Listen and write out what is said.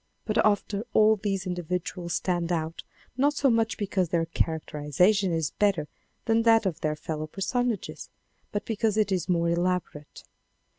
But after all these individuals stand out not so much because their char acterization is better than that of their fellow personages, but because it is more elaborate.